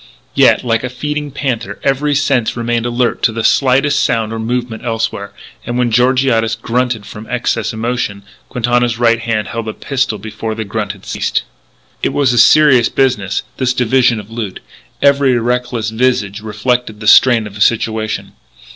Yet, like a feeding panther, every sense remained alert to the slightest sound or movement elsewhere; and when Georgiades grunted from excess emotion, Quintana's right hand held a pistol before the grunt had ceased. It was a serious business, this division of loot; every reckless visage reflected the strain of the situation.